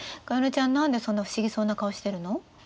加弥乃ちゃん何でそんな不思議そうな顔してるの？